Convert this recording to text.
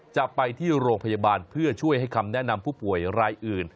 จะไปที่โรงพยาบาลเพื่อช่วยให้คำแนะนำผู้ป่วยรายอื่น